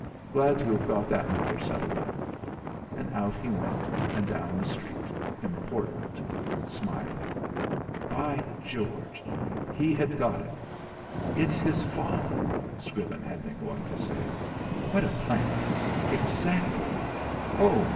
Glad to have got that matter settled up," and out he went, and down the street, important, smiling. By George! He had got it! "It's his father" Scriven had been going to say. What a plant! Exactly! Oh!